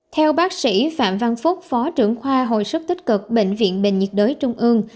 theo bác sĩ phạm văn phúc phó trưởng khoa hồi sức tích cực bệnh viện bệnh nhiệt đới trung ương